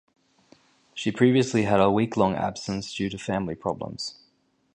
She previously had a week-long absence due to family problems.